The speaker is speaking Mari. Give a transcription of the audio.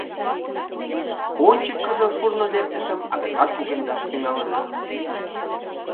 Ончыкыжо шурно лектышым адакат кугемдаш тӱҥалына.